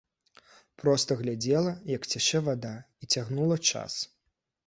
Проста глядзела, як цячэ вада, і цягнула час.